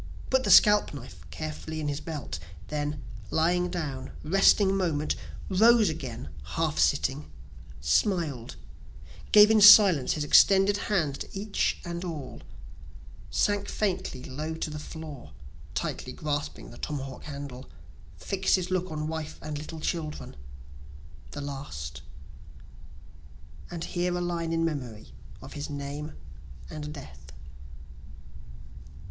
Put the scalp knife carefully in his belt then lying down, resting moment, Rose again, half sitting, smiled, gave in silence his extended hand to each and all, Sank faintly low to the floor (tightly grasping the tomahawk handle,) Fix'd his look on wife and little children the last: (And here a line in memory of his name and death.)